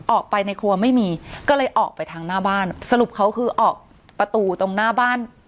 ออกไปในครัวไม่มีก็เลยออกไปทางหน้าบ้านสรุปเขาคือออกประตูตรงหน้าบ้าน